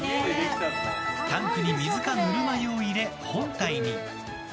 タンクに水かぬるま湯を入れ本体に。